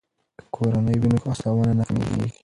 که کورنۍ وي نو هڅونه نه کمیږي.